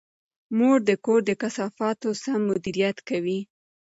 مور د کور د کثافاتو سم مدیریت کوي.